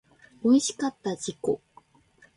おいしかった自己